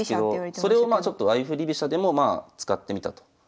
それをまあ相振り飛車でも使ってみたと。